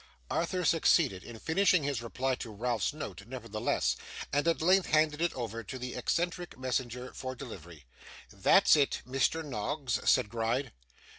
Arthur succeeded in finishing his reply to Ralph's note, nevertheless, and at length handed it over to the eccentric messenger for delivery. 'That's it, Mr. Noggs,' said Gride.